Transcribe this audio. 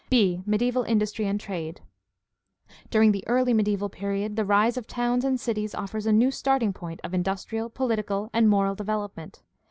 b) Mediaeval industry and trade. — ^During the early mediaeval period the rise of towns and cities offers a new starting point of industrial, political, and moral development.